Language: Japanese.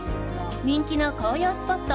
人気の紅葉スポット